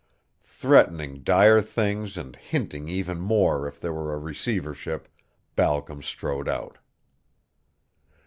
Threatening dire things and hinting even more if there were a receivership, Balcom strode out.